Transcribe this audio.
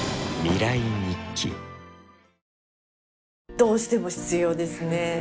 どうしても必要ですね。